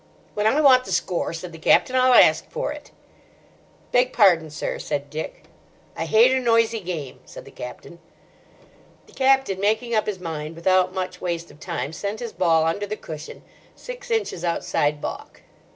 "When I want the score," said the Captain, "I'll ask for it." "Beg pardon, sir," said Dick. "I hate a noisy game," said the Captain. The Captain, making up his mind without much waste of time, sent his ball under the cushion, six inches outside baulk.